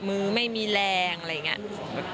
มือไม่มีแรงอะไรอย่างนี้